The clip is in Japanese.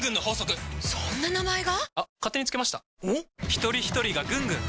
ひとりひとりがぐんぐん！